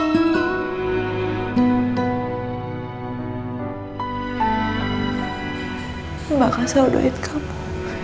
mbak kasih doin kamu